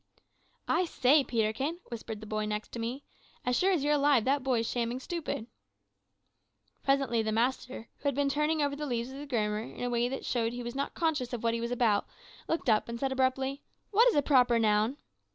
"`I say, Peterkin,' whispered the boy next to me, `as sure as you're alive that boy's shamming stupid.' "Presently the master, who had been turning over the leaves of the grammar in a way that showed he was not conscious of what he was about, looked up, and said abruptly, `What is a proper noun?'